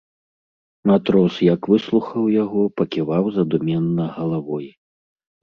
Матрос, як выслухаў яго, паківаў задуменна галавой.